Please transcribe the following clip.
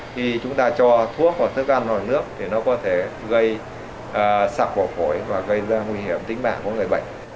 khi chúng ta cho thuốc hoặc thức ăn hoặc nước thì nó có thể gây sạc bỏ khỏi và gây ra nguy hiểm tính mạng của người bệnh